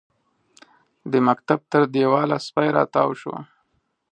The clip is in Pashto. د مکتب تر دېواله سپی راتاو شو.